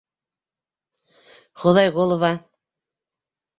Хоҙайғолова.